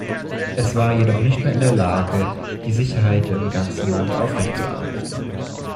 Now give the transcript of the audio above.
Es war jedoch nicht mehr in der Lage, die Sicherheit im ganzen Land aufrechtzuerhalten.